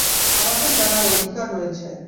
আমাদের জানার অধিকার রয়েছে!